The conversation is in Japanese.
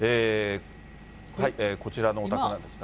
こちらのお宅なんですが。